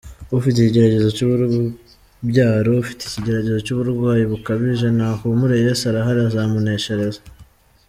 Ufite ikigeragezo cy’urubyaro, ufite ikigeragezo cy’uburwayi bukabije nahumure Yesu arahari azamuneshereza.